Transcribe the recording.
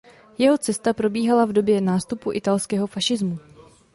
Jeho cesta probíhala v době nástupu italského fašismu.